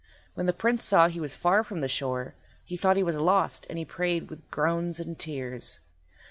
When the Prince saw he was far from the shore he thought he was lost, and he prayed with groans and tears.